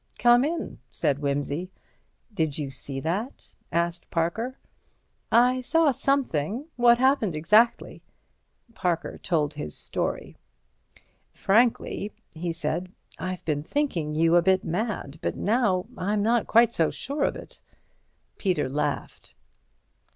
"Come in," said Wimsey. "Did you see that?" asked Parker. "I saw something. What happened exactly?" Parker told his story. "Frankly," he said, "I've been thinking you a bit mad, but now I'm not quite so sure of it." Peter laughed.